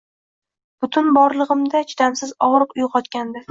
Butun borlig’imda chidamsiz og’riq uyg’otgandi.